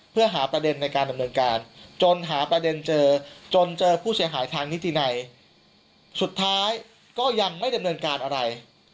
เพื่อหาประเด็นในการดำเนินการจนหาประเด็นเจอจนเจอผู้เสียหายทางนิตินัยสุดท้ายก็ยังไม่ดำเนินการอะไร